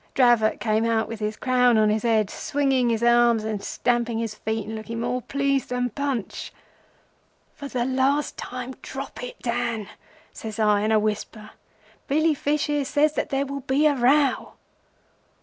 Dravot came out with his crown on his head, swinging his arms and stamping his feet, and looking more pleased than Punch. "'For the last time, drop it, Dan,' says I in a whisper. 'Billy Fish here says that there will be a row.